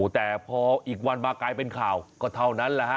แต่พออีกวันมากลายเป็นข่าวก็เท่านั้นแหละฮะ